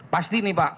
pasti nih pak